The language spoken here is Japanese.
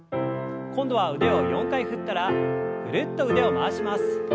今度は腕を４回振ったらぐるっと腕を回します。